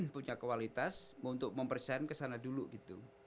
punya kualitas untuk mempersiapin kesana dulu gitu